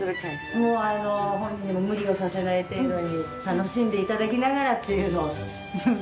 もうあの本人にも無理をさせない程度に楽しんで頂きながらっていうのを様子を見ながら。